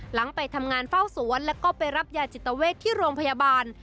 ไปทำงานเฝ้าสวนแล้วก็ไปรับยาจิตเวทที่โรงพยาบาล